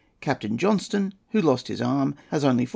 Captain Johnstone, who lost his arm, has only 45£.